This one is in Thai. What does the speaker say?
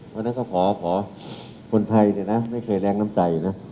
วันหน้าก็ขอคนไทยเนี่ยนะไม่เคยแรงน้ำใจนะ